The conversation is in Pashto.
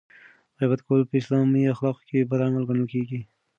غیبت کول په اسلامي اخلاقو کې بد عمل ګڼل کیږي.